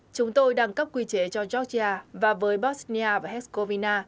chúng tôi đăng cấp quy chế cho georgia và với bosnia và herzegovina